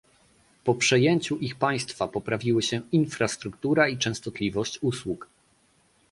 Po przejęciu ich przez państwa poprawiły się infrastruktura i częstotliwość usług